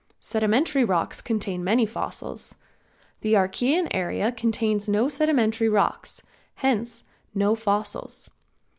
Sedimentary rocks contain many fossils. The Archaean area contains no sedimentary rocks, hence no fossils.